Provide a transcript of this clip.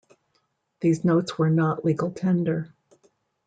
These notes were not legal tender.